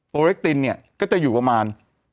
เรคตินเนี่ยก็จะอยู่ประมาณ